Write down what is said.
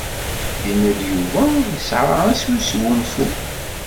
Yenna-d Yuba yesɛa ass n usgnufu.